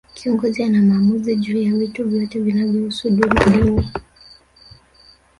Kiongozi ana maamuzi juu ya vitu vyote vinavyohusu dini